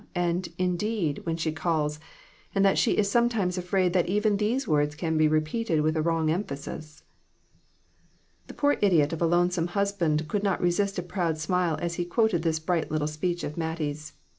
' and 'indeed!' when she calls, and that she is sometimes afraid that even those words can be repeated with a wrong emphasis." The poor idiot of a lonesome husband could not resist a proud smile as he quoted this bright little speech of Mattie's.